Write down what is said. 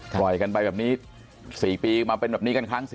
ปล่อยกันไปแบบนี้๔ปีมาเป็นแบบนี้กันครั้ง๔